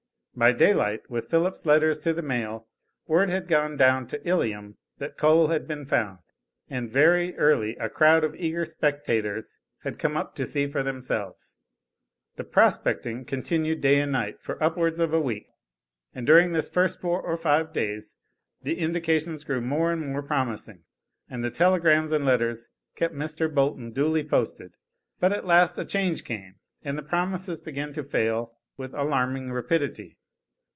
By daylight, with Philip's letters to the mail, word had gone down to Ilium that coal had been found, and very early a crowd of eager spectators had come up to see for themselves. The "prospecting" continued day and night for upwards of a week, and during the first four or five days the indications grew more and more promising, and the telegrams and letters kept Mr. Bolton duly posted. But at last a change came, and the promises began to fail with alarming rapidity.